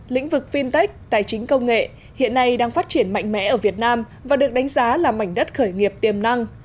lĩnh vực fintech tài chính công nghệ hiện nay đang phát triển mạnh mẽ ở việt nam và được đánh giá là mảnh đất khởi nghiệp tiềm năng